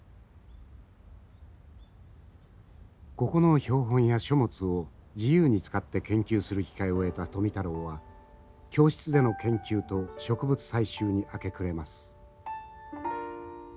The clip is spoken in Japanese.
ここの標本や書物を自由に使って研究する機会を得た富太郎は教室での研究と植物採集に明け暮れます。